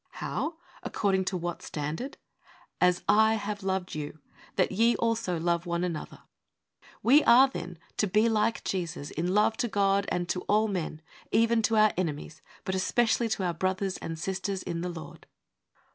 How? According to what standard? 'As I have loved you, that ye also love one another.' We are, then, to be like Jesus in love to God and to all men, even to our enemies, but especially to our brothers and sisters in the Lord.